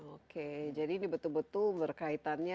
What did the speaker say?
oke jadi ini betul betul berkaitannya